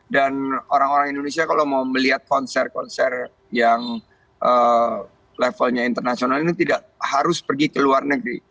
dan orang orang indonesia kalau mau melihat konser konser yang levelnya internasional ini tidak harus pergi ke luar negeri